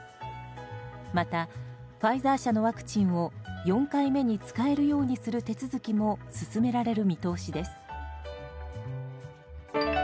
また、ファイザー社のワクチンを４回目に使えるようにする手続きも進められる見通しです。